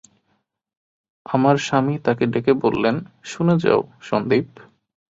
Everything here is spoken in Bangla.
আমার স্বামী তাকে ডেকে বললেন, শুনে যাও, সন্দীপ।